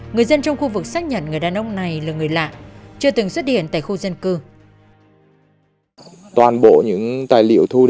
người dân trong khu vực xác nhận người đàn ông này là người lạ chưa từng xuất hiện tại khu dân cư